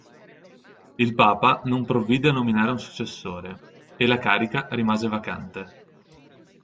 Il Papa non provvide a nominare un successore, e la carica rimase vacante.